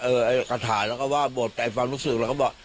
เออไอ้ฆาถาก็ว่าเบาะแต่ไอ้ฟังศึกก็บอก